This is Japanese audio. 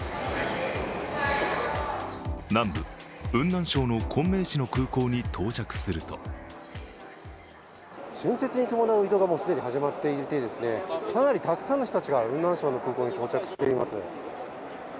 南部・雲南省の昆明市の空港に到着すると春節に伴う移動が既に始まっていて、かなりたくさんの人たちが雲南省の空港に到着しています。